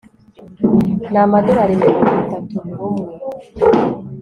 ni amadorari mirongo itatu buri umwe